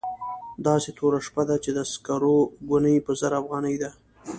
داسې توره شپه ده چې د سکرو ګونۍ په زر افغانۍ ده.